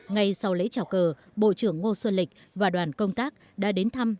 ngay sau lễ trào cờ bộ trưởng ngô xuân lịch và đoàn công tác đã đến thăm